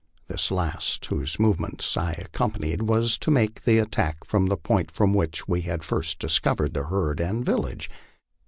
This last, whose movements I accompanied, was to make the attack from the point from which we had first discovered the herd and village.